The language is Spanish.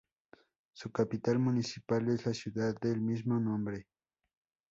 Su capital municipal es la ciudad del mismo nombre.